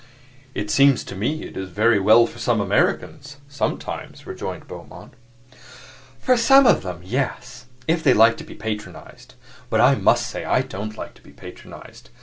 "It seems to me it is very well for some Americans, sometimes," rejoined Beaumont. "For some of them, yes if they like to be patronized. But I must say I don't like to be patronized.